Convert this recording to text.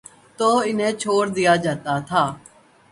تو انہیں چھوڑ دیا جاتا تھا۔